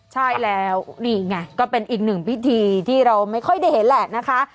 ใช่แล้วนี่ไงก็เป็นอีกหนึ่งพิธีที่เราไม่ค่อยได้เห็นแหละนะคะ